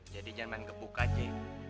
jadi jangan main gebuk aja